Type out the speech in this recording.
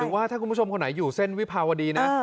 ว่าถ้าคุณผู้ชมคนไหนอยู่เส้นวิภาวดีนะ